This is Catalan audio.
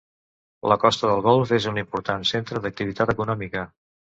La Costa del Golf és un important centre d'activitat econòmica.